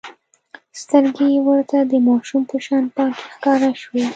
سترګې يې ورته د ماشوم په شان پاکې ښکاره شوې.